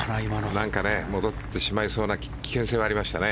なんか戻ってしまいそうな危険性はありましたね。